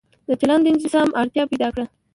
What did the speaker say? د چلن د انسجام اړتيا پيدا کړه